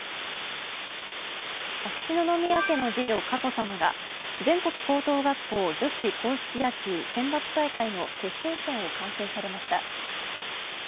秋篠宮家の次女・佳子さまが全国高等学校女子硬式野球選抜大会の決勝戦を観戦されました。